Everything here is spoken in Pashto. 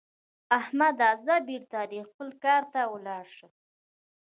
احمده؛ ځه بېرته دې خپل کار ته ولاړ شه.